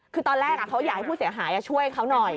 คือตอนแรกเขาอยากให้ผู้เสียหายช่วยเขาหน่อย